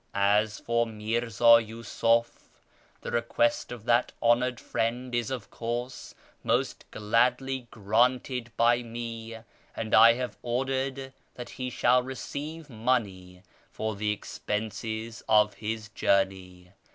As for Mirza Yusuf, the request of that honoured friend is of course most gladly granted by me, and I have ordered that he shall receive money for the expenses of his journey.